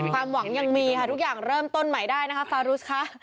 ความหวังยังมีค่ะทุกอย่างเริ่มต้นใหม่ได้นะคะฟารุสค่ะ